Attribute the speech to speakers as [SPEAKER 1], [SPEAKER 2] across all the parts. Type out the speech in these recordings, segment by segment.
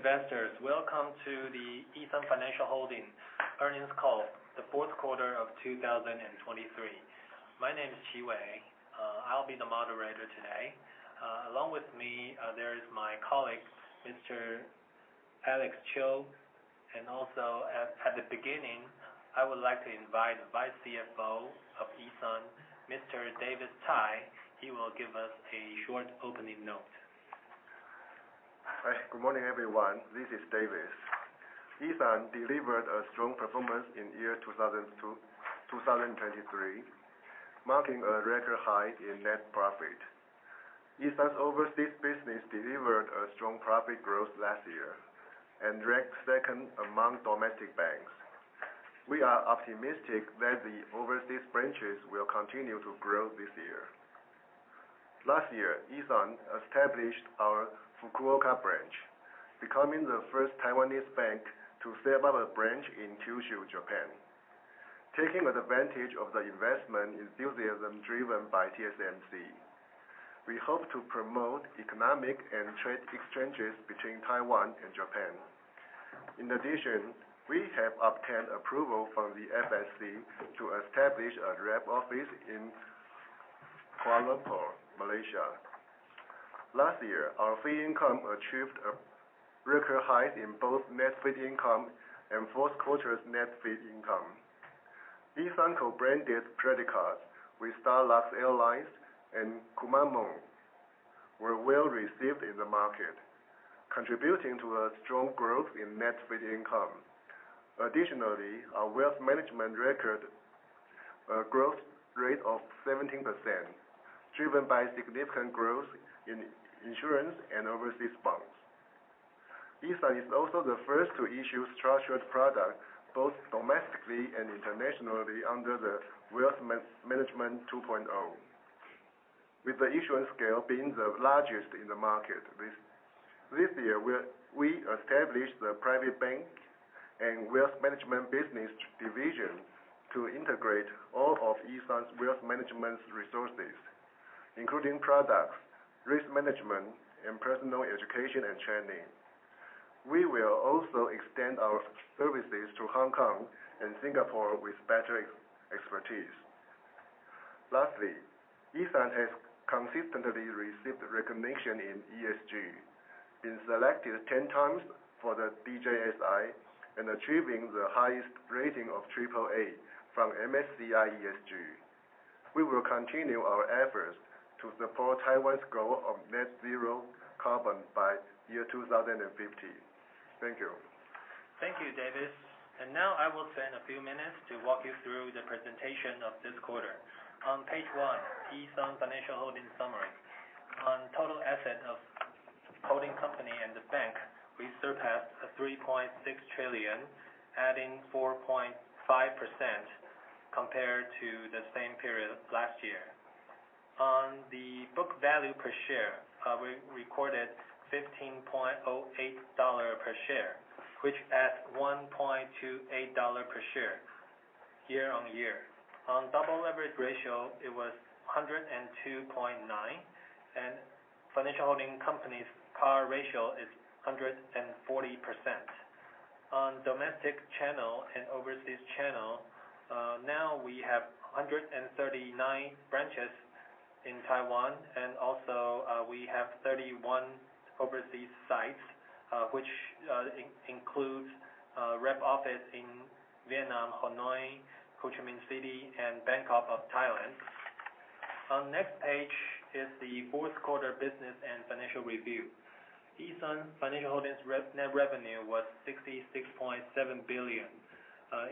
[SPEAKER 1] Dear investors, welcome to the E.SUN Financial Holding earnings call, the fourth quarter of 2023. My name is Qi Wei. I'll be the moderator today. Along with me, there is my colleague, Mr. Alex Cho. At the beginning, I would like to invite the Vice CFO of E.SUN, Mr. Davis Tai. He will give us a short opening note.
[SPEAKER 2] Hi. Good morning, everyone. This is Davis. E.SUN delivered a strong performance in 2023, marking a record high in net profit. E.SUN's overseas business delivered a strong profit growth last year and ranked second among domestic banks. We are optimistic that the overseas branches will continue to grow this year. Last year, E.SUN established our Fukuoka branch, becoming the first Taiwanese bank to set up a branch in Kyushu, Japan. Taking advantage of the investment enthusiasm driven by TSMC, we hope to promote economic and trade exchanges between Taiwan and Japan. In addition, we have obtained approval from the FSC to establish a rep office in Kuala Lumpur, Malaysia. Last year, our fee income achieved a record high in both net fee income and fourth quarter's net fee income. E.SUN co-branded credit cards with Starlux Airlines and Kumamon were well-received in the market, contributing to a strong growth in net fee income. Additionally, our wealth management record a growth rate of 17%, driven by significant growth in insurance and overseas bonds. E.SUN is also the first to issue structured product, both domestically and internationally, under the Wealth Management 2.0, with the issuance scale being the largest in the market. This year, we established the private bank and wealth management business division to integrate all of E.SUN's wealth management resources, including products, risk management, and personal education and training. We will also extend our services to Hong Kong and Singapore with better expertise. Lastly, E.SUN has consistently received recognition in ESG, being selected 10 times for the DJSI and achieving the highest rating of triple A from MSCI ESG. We will continue our efforts to support Taiwan's goal of net zero carbon by 2050. Thank you.
[SPEAKER 1] Thank you, Davis. Now I will spend a few minutes to walk you through the presentation of this quarter. On page one, E.SUN Financial Holding summary. On total assets of holding company and E.SUN Bank, we surpassed 3.6 trillion, adding 4.5% compared to the same period last year. On the book value per share, we recorded 15.08 dollar per share, which adds 1.28 dollar per share year-on-year. On double leverage ratio, it was 102.9, and financial holding company's CAR ratio is 140%. On domestic channel and overseas channel, now we have 139 branches in Taiwan, and we have 31 overseas sites, which includes rep office in Vietnam, Hanoi, Ho Chi Minh City, and Bangkok of Thailand. On next page is the fourth quarter business and financial review. E.SUN Financial Holding's net revenue was 66.7 billion.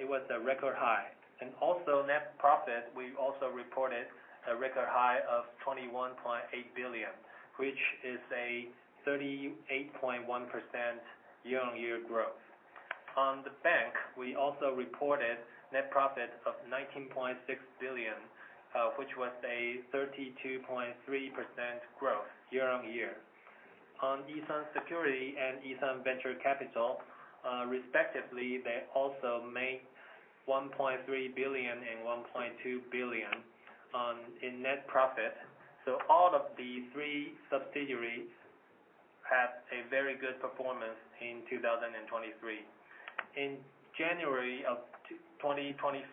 [SPEAKER 1] It was a record high. Net profit, we also reported a record high of 21.8 billion, which is a 38.1% year-on-year growth. On E.SUN Bank, we also reported net profit of 19.6 billion, which was a 32.3% growth year-on-year. On E.SUN Securities and E.SUN Venture Capital, respectively, they also made 1.3 billion and 1.2 billion in net profit. All of the three subsidiaries had a very good performance in 2023. In January of 2024,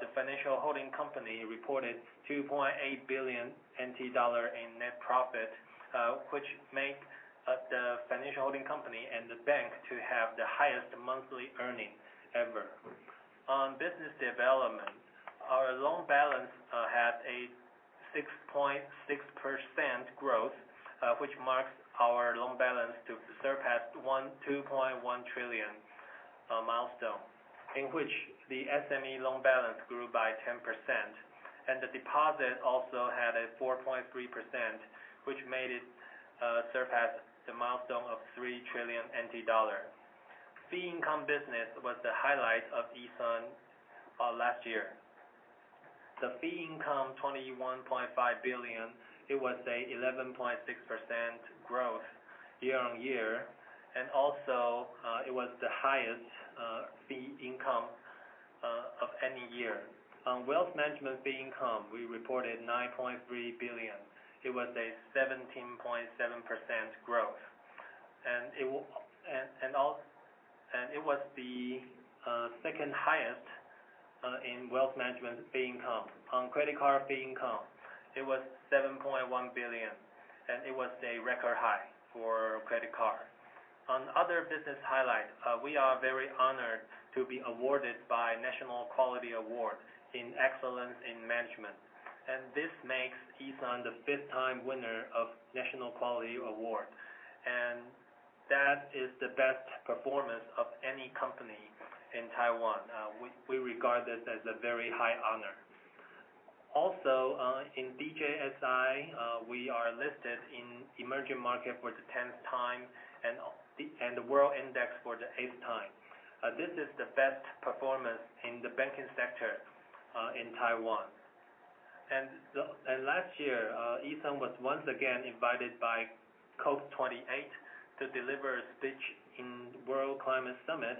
[SPEAKER 1] the financial holding company reported 2.8 billion NT dollar in net profit, which makes the financial holding company and E.SUN Bank to have the highest monthly earning ever. On business development, our loan balance had a 6.6% growth, which marks our loan balance to surpass 2.1 trillion milestone, in which the SME loan balance grew by 10%, and the deposit also had a 4.3%, which made it surpass the milestone of 3 trillion NT dollars. Fee income business was the highlight of E.SUN last year. The fee income, 21.5 billion, it was an 11.6% growth year-on-year. It was the highest fee income year. On wealth management fee income, we reported 9.3 billion. It was a 17.7% growth, and it was the second highest in wealth management fee income. On credit card fee income, it was 7.1 billion, and it was a record high for credit card. On other business highlights, we are very honored to be awarded by National Quality Award in excellence in management, and this makes E.SUN the fifth-time winner of National Quality Award, and that is the best performance of any company in Taiwan. We regard this as a very high honor. Also, in DJSI, we are listed in emerging market for the tenth time and the world index for the eighth time. This is the best performance in the banking sector in Taiwan. Last year, E.SUN was once again invited by COP28 to deliver a speech in World Climate Action Summit,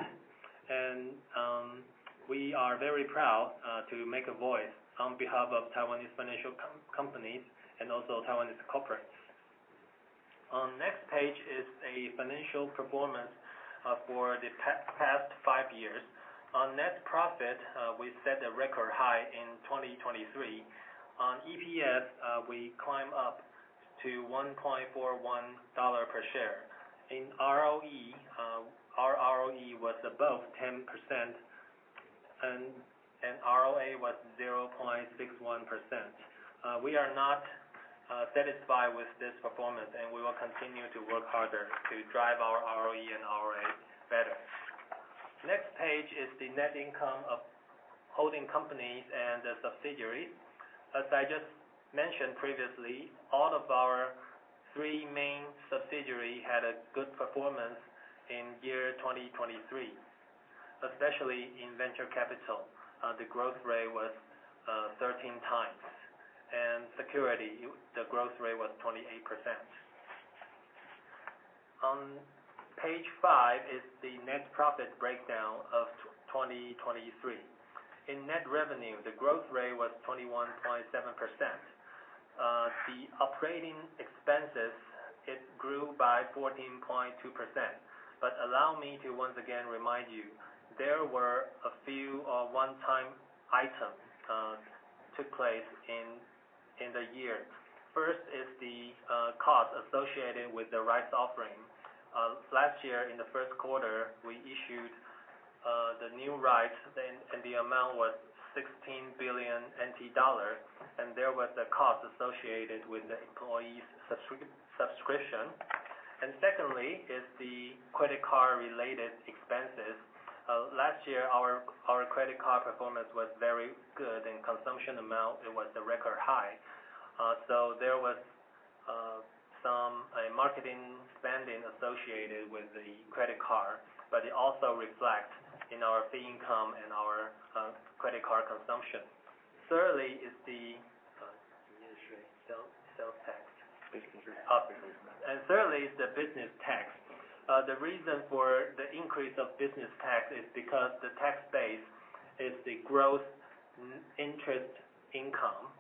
[SPEAKER 1] and we are very proud to make a voice on behalf of Taiwanese financial companies and Taiwanese corporations. On next page is a financial performance for the past five years. On net profit, we set a record high in 2023. On EPS, we climb up to 1.41 dollar per share. In ROE, our ROE was above 10%, and ROA was 0.61%. We are not satisfied with this performance, and we will continue to work harder to drive our ROE and ROA better. Next page is the net income of holding companies and the subsidiaries. As I just mentioned previously, all of our three main subsidiaries had a good performance in 2023, especially in venture capital. The growth rate was 13 times, security, the growth rate was 28%. On page five is the net profit breakdown of 2023. In net revenue, the growth rate was 21.7%. The operating expenses, it grew by 14.2%. Allow me to once again remind you, there were a few one-time items took place in the year. First is the cost associated with the rights offering. Last year in the first quarter, we issued the new rights, and the amount was 16 billion NT dollars, and there was a cost associated with the employees' subscription. Secondly is the credit card-related expenses. Last year, our credit card performance was very good. In consumption amount, it was a record high. There was some marketing spending associated with the credit card, but it also reflects in our fee income and our credit card consumption. Thirdly is the business tax. Thirdly is the business tax. The reason for the increase of business tax is because the tax base is the growth in interest income,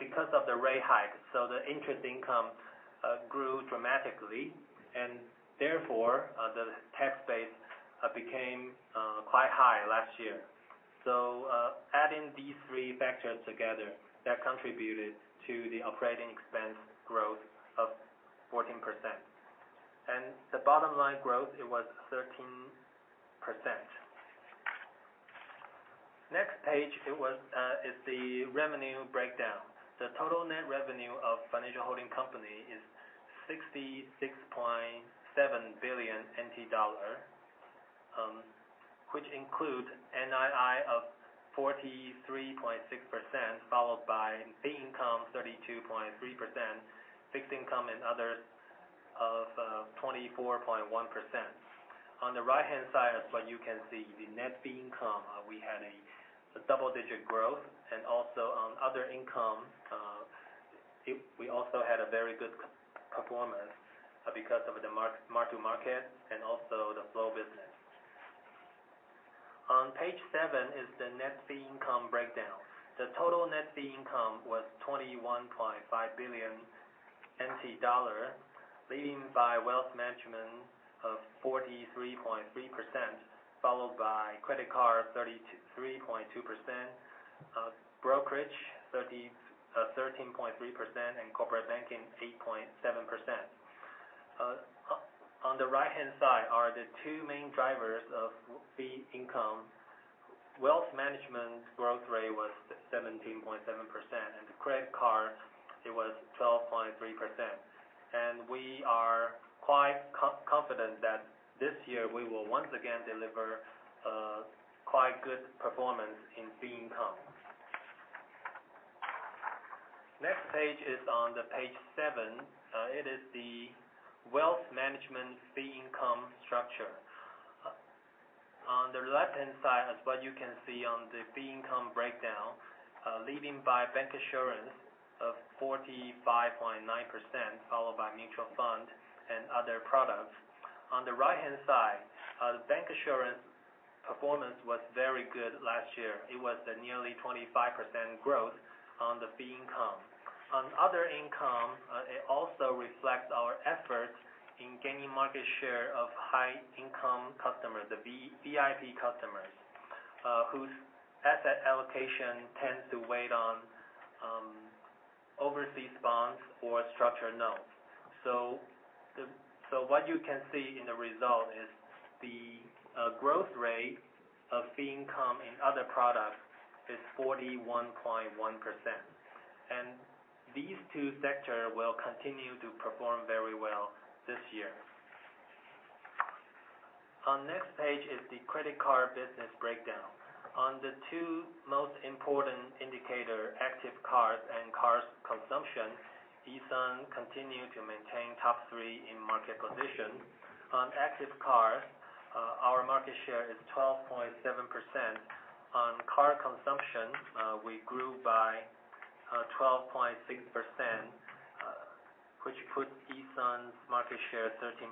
[SPEAKER 1] because of the rate hike. The interest income grew dramatically, therefore, the tax base became quite high last year. Adding these three factors together, that contributed to the operating expense growth of 14%. The bottom line growth, it was 13%. Next page is the revenue breakdown. The total net revenue of Financial Holding Company is 66.7 billion NT dollar, which includes NII of 43.6%, followed by fee income 32.3%, fixed income and other of 24.1%. On the right-hand side as well, you can see the net fee income. We had a double-digit growth, also on other income, we also had a very good performance because of the mark to market and also the flow business. On page seven is the net fee income breakdown. The total net fee income was 21.5 billion NT dollar, leading by wealth management of 43.3%, followed by credit card 33.2%, brokerage 13.3%, corporate banking 8.7%. On the right-hand side are the two main drivers of fee income. Wealth management growth rate was 17.7%, the credit card, it was 12.3%. We are quite confident that this year we will once again deliver a quite good performance in fee income. Next page is on the page seven. It is the wealth management fee income structure. On the left-hand side as well, you can see on the fee income breakdown Leading by bancassurance of 45.9%, followed by mutual fund and other products. On the right-hand side, the bancassurance performance was very good last year. It was nearly 25% growth on the fee income. On other income, it also reflects our efforts in gaining market share of high-income customers, the VIP customers, whose asset allocation tends to wait on overseas bonds or structured notes. What you can see in the result is the growth rate of fee income in other products is 41.1%. These two sectors will continue to perform very well this year. On next page is the credit card business breakdown. On the two most important indicator, active cards and cards consumption, E.SUN continue to maintain top three in market position. On active cards, our market share is 12.7%. On card consumption, we grew by 12.6%, which puts E.SUN's market share at 13%.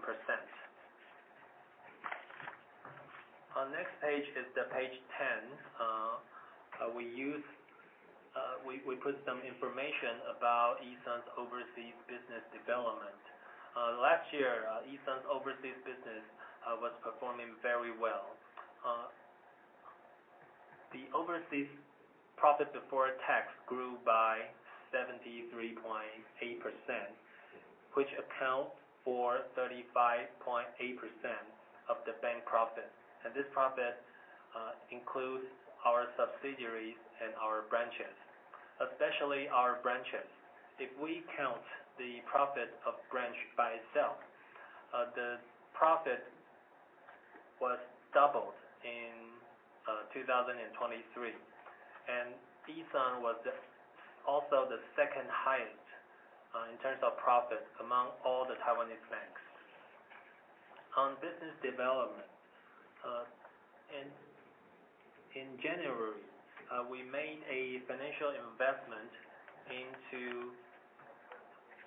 [SPEAKER 1] Our next page is the page 10. We put some information about E.SUN's overseas business development. Last year, E.SUN's overseas business was performing very well. The overseas profit before tax grew by 73.8%, which accounts for 35.8% of the bank profit. This profit includes our subsidiaries and our branches, especially our branches. If we count the profit of branch by itself, the profit was doubled in 2023. E.SUN was also the second highest in terms of profit among all the Taiwanese banks. On business development, in January, we made a financial investment into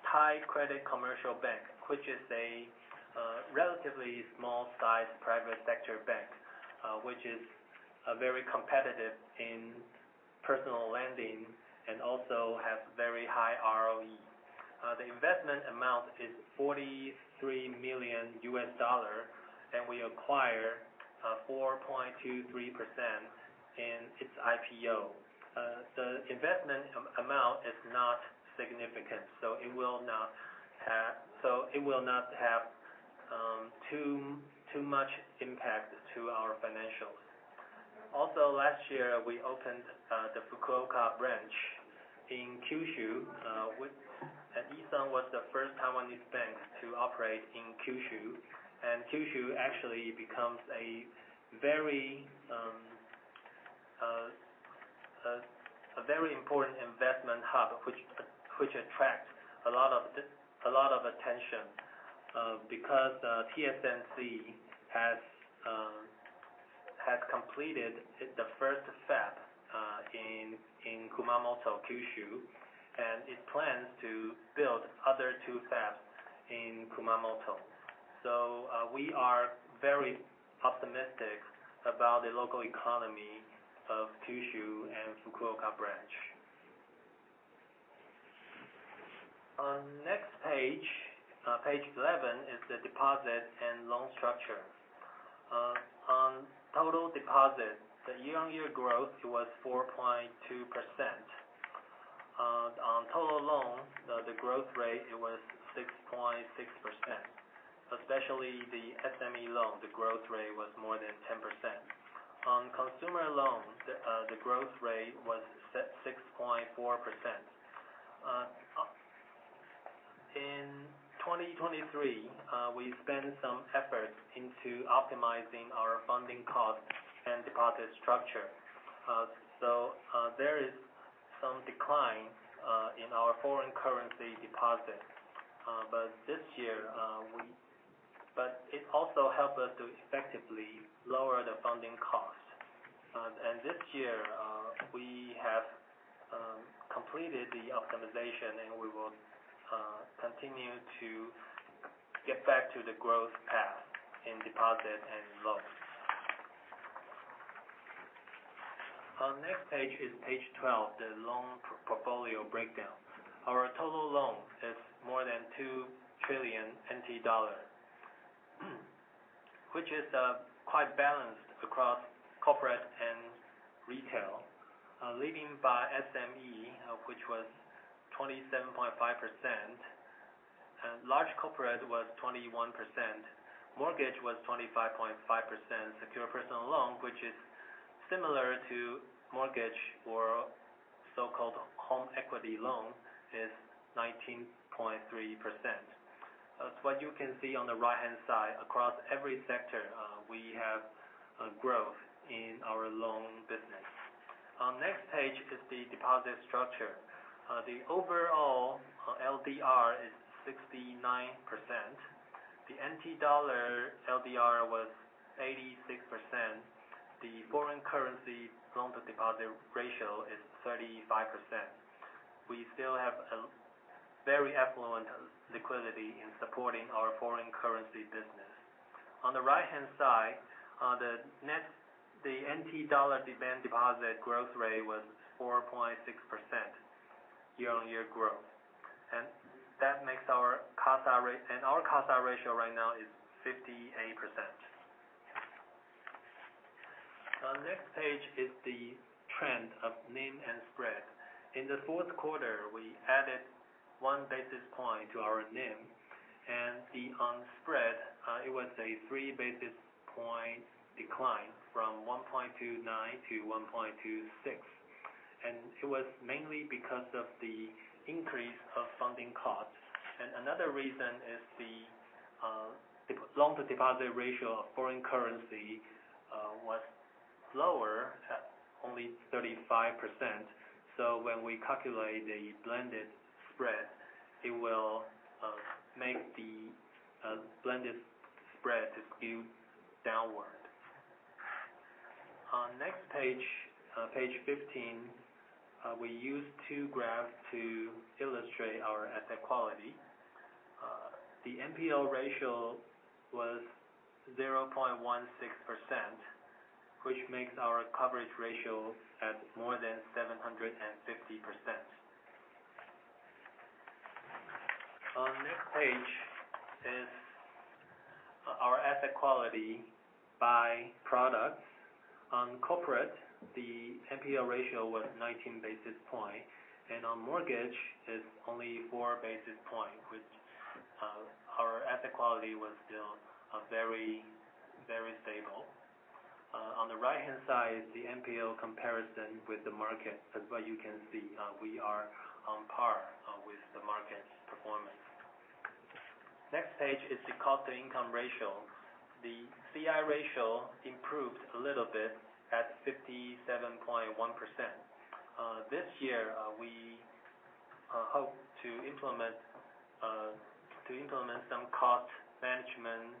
[SPEAKER 1] Thai Credit Commercial Bank, which is a relatively small-sized private sector bank, which is very competitive in personal lending and also has very high ROE. The investment amount is $43 million, and we acquire 4.23% in its IPO. The investment amount is not significant, so it will not have too much impact to our financials. Also, last year, we opened the Fukuoka branch in Kyushu. E.SUN was the first Taiwanese bank to operate in Kyushu, and Kyushu actually becomes a very important investment hub, which attracts a lot of attention, because the TSMC has completed the first fab in Kumamoto, Kyushu, and it plans to build other two fabs in Kumamoto. So we are very optimistic about the local economy of Kyushu and Fukuoka branch. On next page 11, is the deposit and loan structure. On total deposit, the year-on-year growth, it was 4.2%. On total loan, the growth rate, it was 6.6%, especially the SME loan, the growth rate was more than 10%. On consumer loans, the growth rate was 6.4%. In 2023, we spent some effort into optimizing our funding cost and deposit structure. So there is some decline in our foreign currency deposit. But it also helped us to effectively lower the funding cost. This year, we have completed the optimization, and we will continue to get back to the growth path in deposit and loans. On next page is page 12, the loan portfolio breakdown. Our total loans is more than 2 trillion NT dollars, which is quite balanced across corporate and retail. Leading by SME, which was 27.5%, large corporate was 21%, mortgage was 25.5%, secure personal loan, which is similar to mortgage or so-called home equity loan, is 19.3%. What you can see on the right-hand side, across every sector, we have growth in our loan business. On next page is the deposit structure. The overall LDR is 69%. The TWD LDR was 86%. The foreign currency loan-to-deposit ratio is 35%. We still have a very affluent liquidity in supporting our foreign currency business. On the right-hand side, the TWD demand deposit growth rate was 4.6% year-on-year growth, and our CASA ratio right now is 58%. The next page is the trend of NIM and spread. In the fourth quarter, we added one basis point to our NIM, and on spread, it was a three basis point decline from 1.29 to 1.26. It was mainly because of the increase of funding costs. Another reason is the loan-to-deposit ratio of foreign currency was lower, at only 35%. So when we calculate the blended spread, it will make the blended spread skewed downward. On next page 15, we use two graphs to illustrate our asset quality. The NPL ratio was 0.16%, which makes our coverage ratio at more than 750%. On next page is our asset quality by products. On corporate, the NPL ratio was 19 basis points, and on mortgage, it's only four basis points, which our asset quality was still very stable. On the right-hand side is the NPL comparison with the market. As you can see, we are on par with the market's performance. Next page is the Cost-to-Income ratio. The CI ratio improved a little bit at 57.1%. This year, we hope to implement some cost management,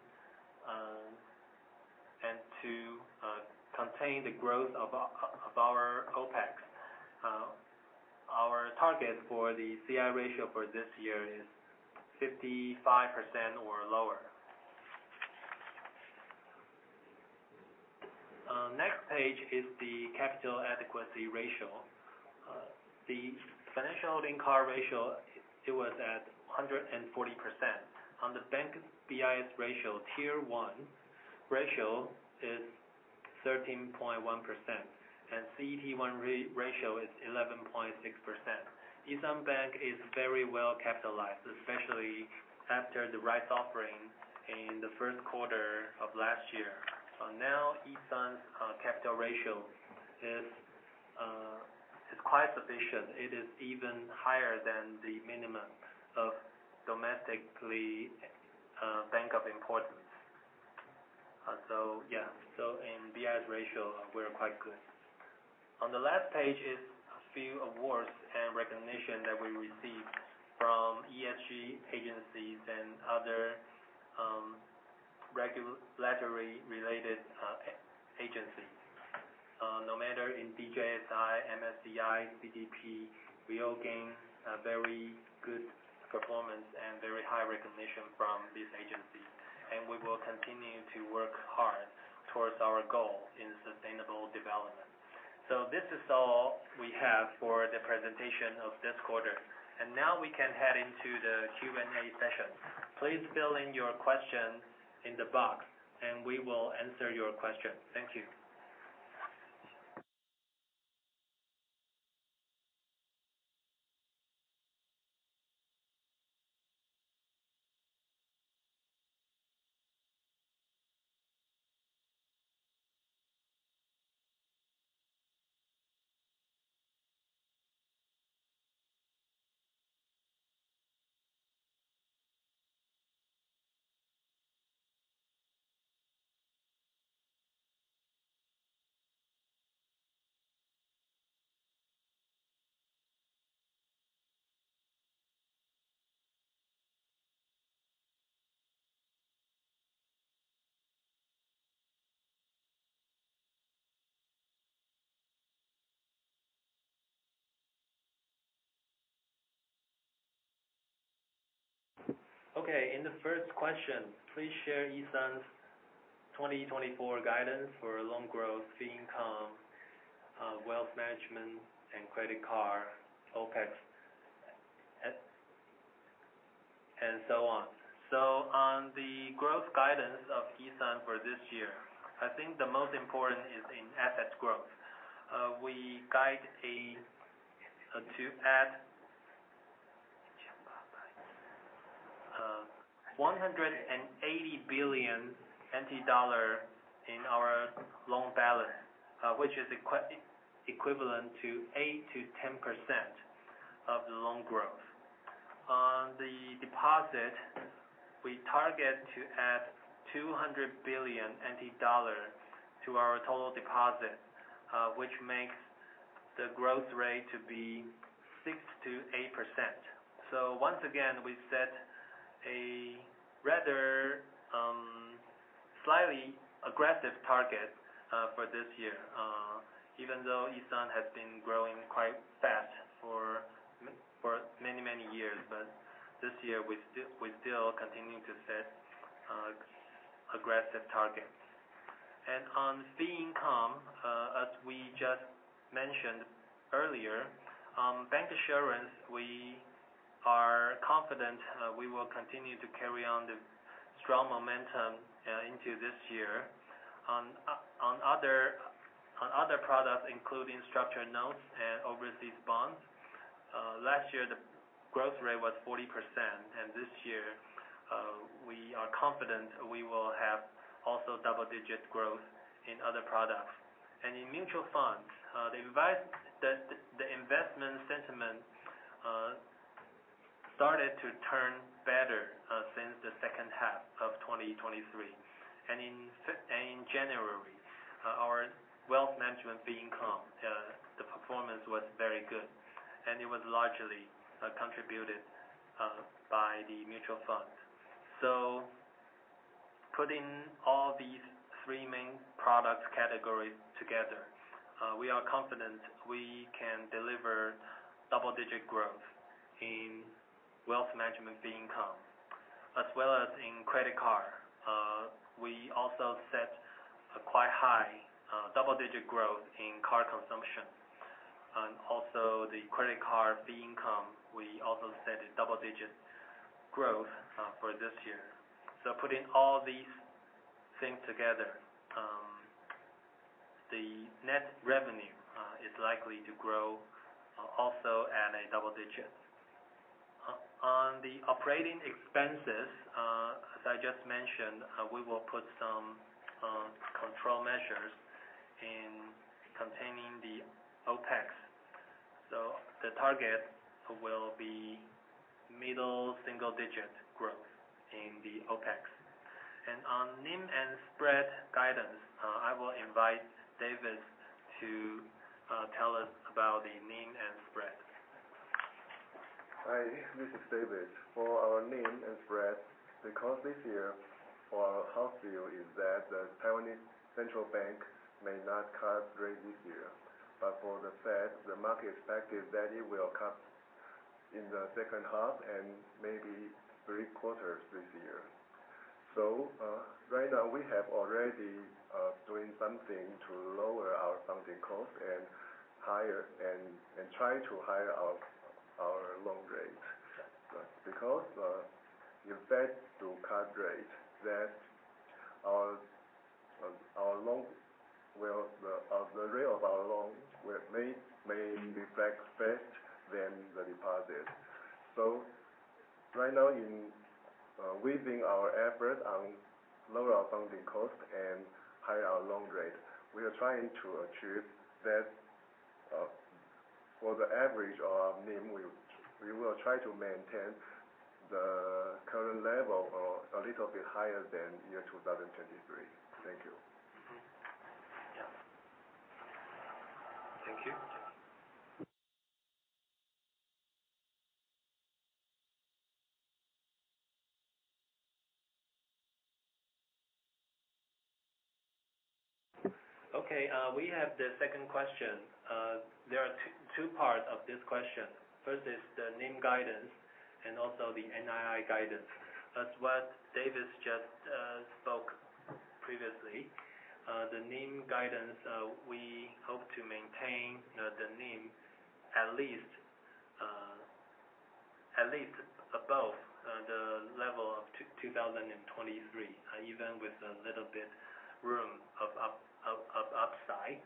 [SPEAKER 1] and to contain the growth of our OPEX. Our target for the CI ratio for this year is 55% or lower. Next page is the capital adequacy ratio. The financial holding CAR ratio, it was at 140%. On the Bank BIS ratio, Tier 1 ratio is 13.1%, and CET1 ratio is 11.6%. E.SUN Bank is very well capitalized, especially after the rights offering in the first quarter of last year. Now, E.SUN's capital ratio is quite sufficient. It is even higher than the minimum of domestically bank of importance. Yeah, in BIS ratio, we're quite good. On the last page is a few awards and recognition that we received from ESG agencies and other regulatory related agencies. No matter in DJSI, MSCI, CDP, we all gain a very good performance and very high recognition from these agencies, and we will continue to work hard towards our goal in sustainable development. This is all we have for the presentation of this quarter. Now we can head into the Q&A session. Please fill in your question in the box, and we will answer your question. Thank you. In the first question, please share E.SUN's 2024 guidance for loan growth, fee income, wealth management, and credit card, OPEX, and so on. On the growth guidance of E.SUN for this year, I think the most important is in asset growth. We guide to add TWD 180 billion in our loan balance, which is equivalent to 8%-10% of the loan growth. On the deposit, we target to 200 billion NT dollar to our total deposit, which makes the growth rate to be 6%-8%. Once again, we set a rather slightly aggressive target for this year, even though E.SUN has been growing quite fast for many, many years. This year, we're still continuing to set aggressive targets. On fee income, as we just mentioned earlier, bancassurance, we are confident we will continue to carry on the strong momentum into this year. On other products, including structured notes and overseas bonds, last year the growth rate was 40%, and this year we are confident we will have also double-digit growth in other products. In mutual funds, the investment sentiment started to turn better since the second half of 2023. In January, our wealth management fee income, the performance was very good, and it was largely contributed by the mutual funds. Putting all these three main product categories together, we are confident we can deliver double-digit growth in wealth management fee income as well as in credit card. We also set a quite high double-digit growth in card consumption, and also the credit card fee income, we also set a double-digit growth for this year. Putting all these things together, the net revenue is likely to grow also at a double digit. On the operating expenses, as I just mentioned, we will put some control measures in containing the OPEX. The target will be middle single-digit growth in the OPEX. On NIM and spread guidance, I will invite Davis to tell us about the NIM and spread.
[SPEAKER 2] Hi, this is Davis. For our NIM and spread, because this year our house view is that the Taiwanese Central Bank may not cut rates this year. The Fed, the market expected that it will cut in the second half and maybe 3 quarters this year. Right now, we have already doing something to lower our funding cost and try to higher our loan rate. Because if the Fed do cut rates, the rate of our loans may be back faster than the deposit. Right now, we've been our effort on lower our funding cost and higher our loan rate. We are trying to achieve that for the average of NIM. We will try to maintain the current level or a little bit higher than 2023. Thank you.
[SPEAKER 1] Yeah. Thank you. Okay, we have the second question. There are two parts of this question. First is the NIM guidance and also the NII guidance. As what Davis just spoke previously, the NIM guidance, we hope to maintain the NIM at least above the level of 2023, even with a little bit room of upside.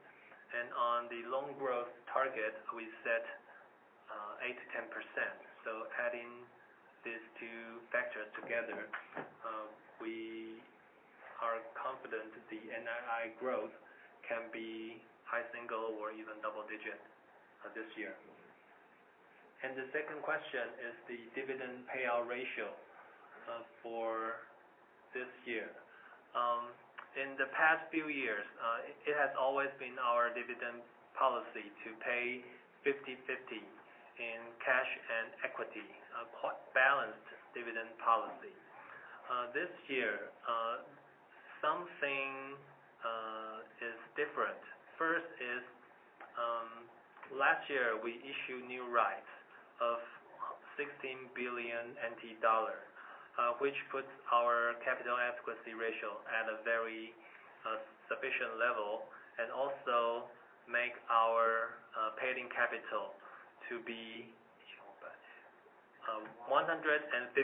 [SPEAKER 1] On the loan growth target, we set 8%-10%. Adding these two factors together, we are confident the NII growth can be high single or even double digit this year. The second question is the dividend payout ratio for this year. In the past few years, it has always been our dividend policy to pay 50/50 in cash and equity, a quite balanced dividend policy. This year, something is different. First is, last year we issued new rights of 16 billion NT dollars, which puts our capital adequacy ratio at a very sufficient level, and also make our paid-in capital to be 156.6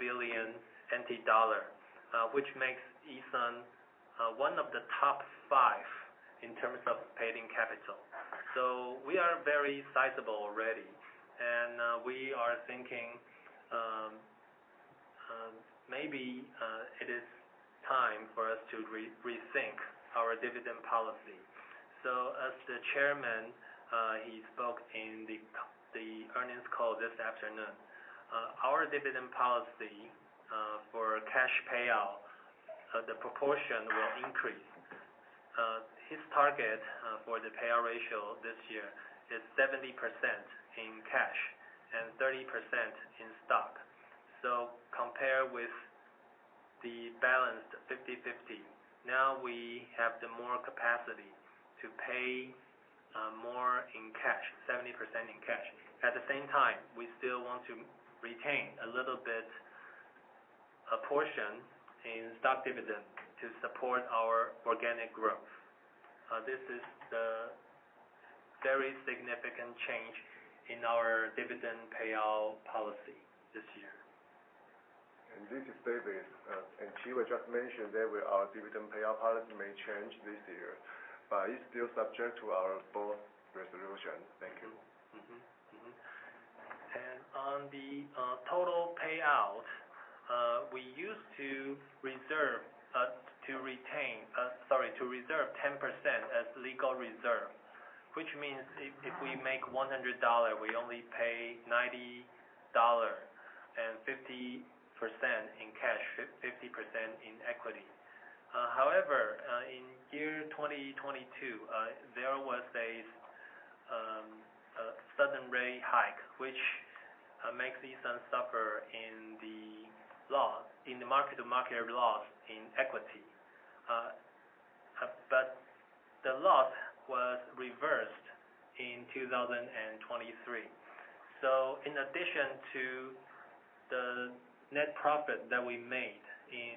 [SPEAKER 1] billion NT dollar, which makes E.SUN one of the top five in terms of paid-in capital. We are very sizable already, and we are thinking maybe it is To rethink our dividend policy. As the chairman, he spoke in the earnings call this afternoon. Our dividend policy for cash payout, the proportion will increase. His target for the payout ratio this year is 70% in cash and 30% in stock. Compare with the balanced 50/50, now we have the more capacity to pay more in cash, 70% in cash. At the same time, we still want to retain a little bit, a portion in stock dividend to support our organic growth. This is the very significant change in our dividend payout policy this year.
[SPEAKER 3] This is David. Shi just mentioned that our dividend payout policy may change this year. It is still subject to our board resolution. Thank you.
[SPEAKER 1] On the total payout, we used to reserve 10% as legal reserve, which means if we make 100 dollar, we only pay 90 dollar, 50% in cash, 50% in equity. However, in 2022, there was a sudden rate hike, which makes E.SUN suffer in the mark-to-market loss in equity. The loss was reversed in 2023. In addition to the net profit that we made in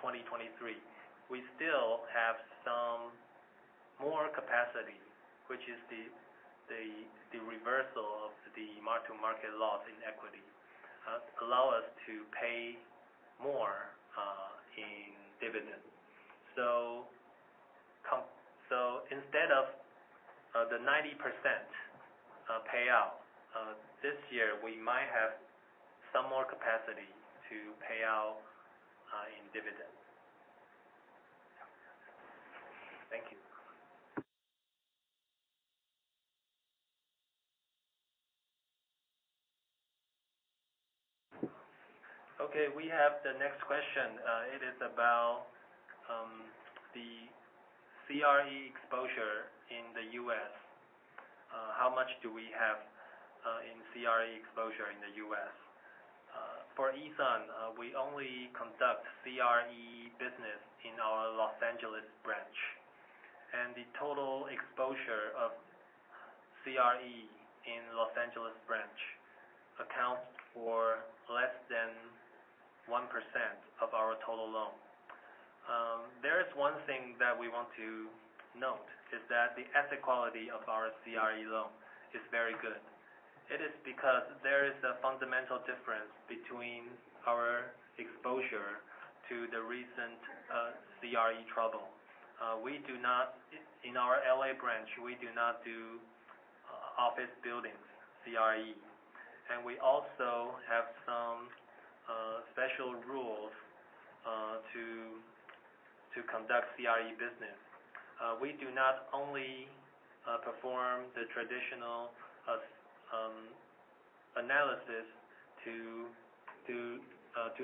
[SPEAKER 1] 2023, we still have some more capacity, which is the reversal of the mark-to-market loss in equity, allow us to pay more in dividend. Instead of the 90% payout, this year, we might have some more capacity to pay out in dividend. Thank you. Okay, we have the next question. It is about the CRE exposure in the U.S. How much do we have in CRE exposure in the U.S.? For E.SUN, we only conduct CRE business in our Los Angeles branch, the total exposure of CRE in Los Angeles branch accounts for less than 1% of our total loan. There is one thing that we want to note, is that the asset quality of our CRE loan is very good. It is because there is a fundamental difference between our exposure to the recent CRE trouble. In our L.A. branch, we do not do office buildings CRE, we also have some special rules to conduct CRE business. We do not only perform the traditional analysis to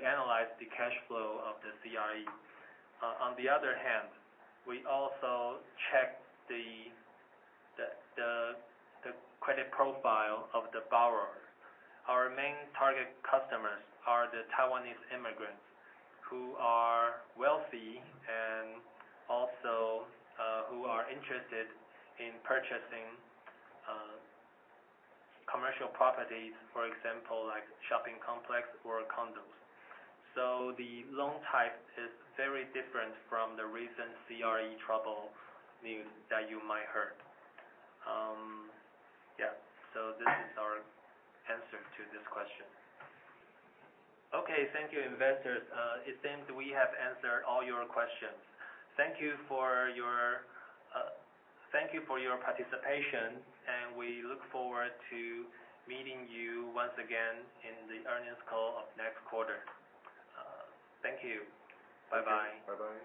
[SPEAKER 1] analyze the cash flow of the CRE. On the other hand, we also check the credit profile of the borrower. Our main target customers are the Taiwanese immigrants who are wealthy who are interested in purchasing commercial properties, for example, like shopping complex or condos. The loan type is very different from the recent CRE trouble news that you might heard. This is our answer to this question. Thank you, investors. It seems we have answered all your questions. Thank you for your participation, and we look forward to meeting you once again in the earnings call of next quarter. Thank you. Bye bye.
[SPEAKER 2] Bye bye.